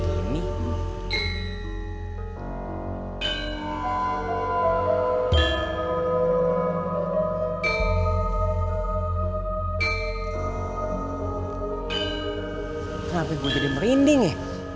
kenapa gue jadi merinding ya